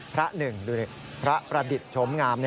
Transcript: พระหนึ่งดูดิพระประดิษฐ์ชมงาม